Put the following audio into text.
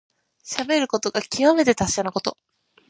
しゃべることがきわめて達者なこと。